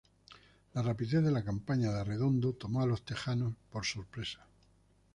La rapidez de la campaña de Arredondo tomó a los Tejanos por sorpresa.